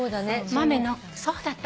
豆のそうだったわ。